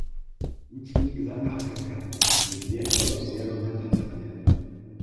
nchi nyingi za afrika zilijenga uhusiano na tanzania